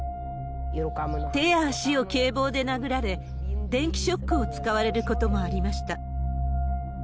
手や足を警棒で殴られ、電気ショックを使われることもありました。